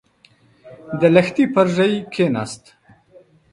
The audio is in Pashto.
د لښتي پر ژۍکېناست.